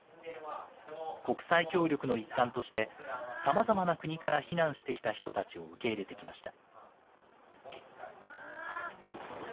国際協力の一環として、さまざまな国から避難してきた人たちを受け入れてきました。